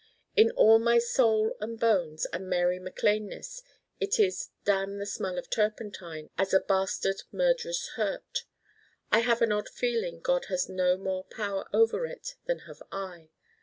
In all my Soul and bones and Mary Mac Laneness it is damn the Smell of Turpentine as a bastard murderous hurt. I have an odd feeling God has no more power over it than have I.